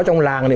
trong làng này